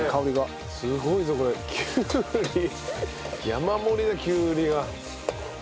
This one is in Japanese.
山盛りだきゅうりが。